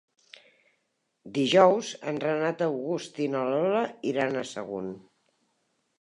Dijous en Renat August i na Lola iran a Sagunt.